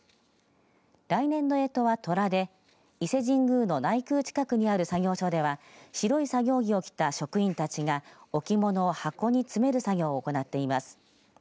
来年のえとはとらで伊勢神宮の内宮近くにある作業所では白い作業着を着た職員たちが置物を箱に詰める作業を行っています。